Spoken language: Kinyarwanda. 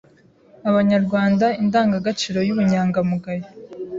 abanyarwanda indangagaciro y’Ubunyangamugayo,